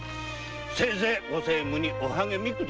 せいぜい政務にお励みを。